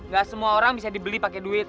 gak semua orang bisa dibeli pakai duit